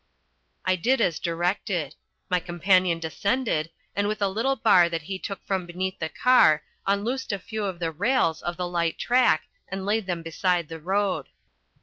I did as directed. My companion descended, and with a little bar that he took from beneath the car unloosed a few of the rails of the light track and laid them beside the road.